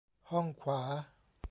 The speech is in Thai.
ห้องขวา